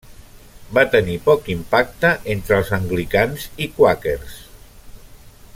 Va tenir poc impacte entre els anglicans i quàquers.